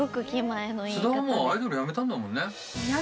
須田はもうアイドルやめたんだもんね。